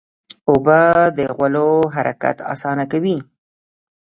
اوبه د غولو حرکت اسانه کوي.